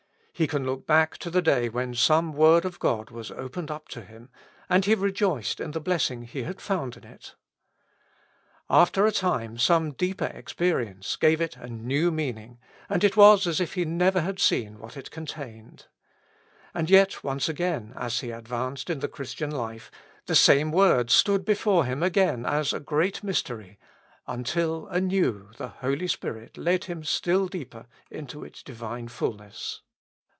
He can look back to the day when some word of God was opened up to him, and he rejoiced in the blessing he had found in it. After a time some deeper experience gave it a new meaning, and it was as if he never had seen what it contained. And yet once again, as he advanced in the Christian life, the same word stood before him again as a great mystery, until anew the Holy Spirit led him still deeper into its Divine fulness.